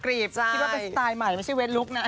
คิดว่าเป็นสไตล์ใหม่ไม่ใช่เวสลุคนะ